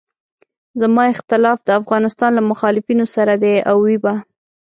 زما اختلاف د افغانستان له مخالفینو سره دی او وي به.